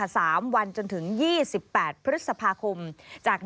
สวัสดีครับทุกคน